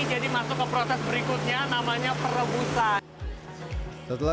jadi masuk ke proses berikutnya namanya perebusan